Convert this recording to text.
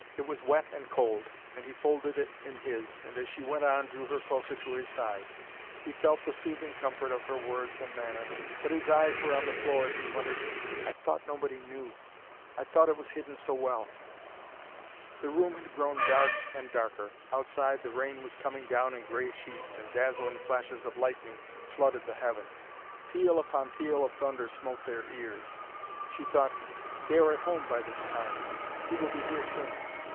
It was wet and cold, and he folded it in his, and as she went on drew her closer to his side. He felt the soothing comfort of her words and manner, but his eyes were on the floor as he muttered, "I thought nobody knew; I thought it was hidden so well!" The room had grown dark and darker. Outside, the rain was coming down in gray sheets, and dazzling flashes of lightning flooded the heavens. Peal upon peal of thunder smote their ears. She thought, "They are at home by this time; he will be here soon."